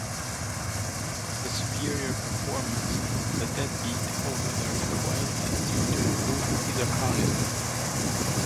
The superior performance of the deadbeat over the recoil is due to improved isochronism.